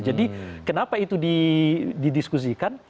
jadi kenapa itu didiskusikan